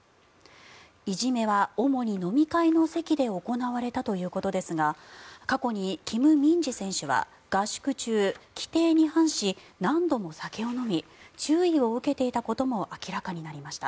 いじめは主に飲み会の席で行われたということですが過去にキム・ミンジ選手は合宿中規定に反し何度も酒を飲み注意を受けていたことも明らかになりました。